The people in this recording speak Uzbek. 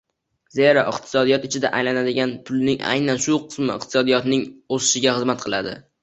Zero iqtisodiyot ichida aylanadigan pulning aynan shu qismi iqtisodiyotning o‘sishiga xizmat qiladi.